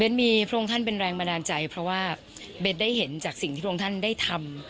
มีพระองค์ท่านเป็นแรงบันดาลใจเพราะว่าเบ้นได้เห็นจากสิ่งที่พระองค์ท่านได้ทำ